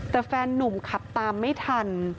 แต่แฟนนุ่มขับตามไม่ทัน